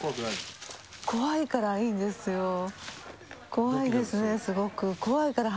怖いですねすごく。